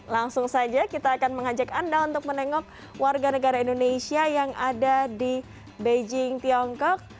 langsung saja kita akan mengajak anda untuk menengok warga negara indonesia yang ada di beijing tiongkok